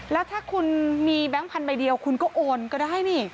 แล้วถ้าคุณมีแบงค์พันธใบเดียวคุณก็โอนก็ได้นี่